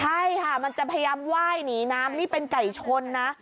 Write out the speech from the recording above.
ใช่ค่ะมันจะพยายามไหว้หนีน้ำนี่เป็นไก่ชนนะ